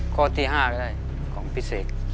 ข้อที่๕ก็ได้ของพิเศษ